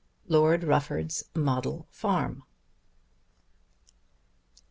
LORD RUFFORD'S MODEL FARM.